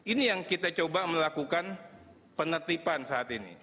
ini yang kita coba melakukan penertiban saat ini